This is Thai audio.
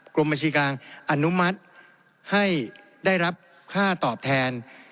กรมบัญชีกลางอนุมัติให้ได้รับค่าตอบแทน